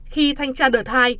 khi thanh tra đợt hai